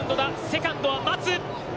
セカンドは待つ。